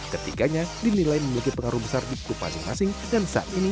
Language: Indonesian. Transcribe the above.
ketiganya dinilai memiliki pengaruh besar di grup asing asing dan saat ini